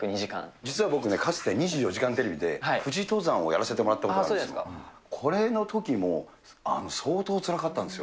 実は僕ね、かつて２４時間テレビで富士登山をやらせてもらったことがあるんです。これのときも、相当つらかったんですよ。